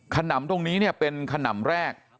ขนำตรงนี้เป็นขนำแรก